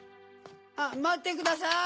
まってください！